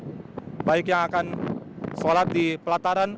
jemaah yang berjalan